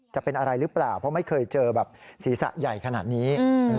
จะเป็นอะไรหรือเปล่าเพราะไม่เคยเจอแบบศีรษะใหญ่ขนาดนี้